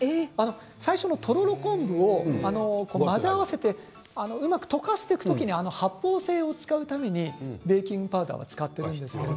最初のとろろ昆布を混ぜ合わせてうまく溶かしていく時に発泡性を使うためにベーキングパウダーを使っているんです。